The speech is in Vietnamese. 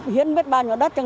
hiến biết bao nhiêu đất